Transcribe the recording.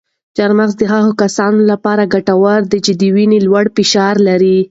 چهارمغز د هغو کسانو لپاره ګټور دي چې د وینې لوړ فشار لري.